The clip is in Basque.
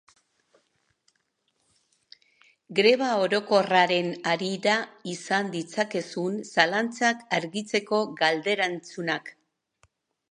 Greba orokorraren harira izan ditzakezun zalantzak argitzeko galde-erantzunak.